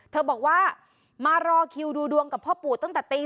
บอกว่ามารอคิวดูดวงกับพ่อปู่ตั้งแต่ตี